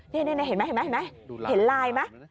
นี่เห็นไหมเห็นไลน์ไหม